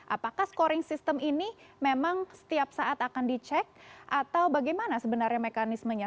apakah scoring system ini memang setiap saat akan dicek atau bagaimana sebenarnya mekanismenya